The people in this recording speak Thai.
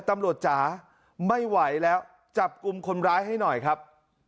จ๋าไม่ไหวแล้วจับกลุ่มคนร้ายให้หน่อยครับ